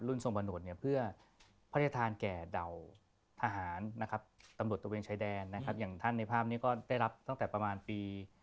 เรื่องราวจริงเป็นอย่างไร